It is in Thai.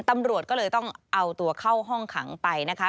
ตำรวจก็เลยต้องเอาตัวเข้าห้องขังไปนะคะ